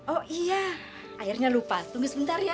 oh iya airnya lupa tunggu sebentar ya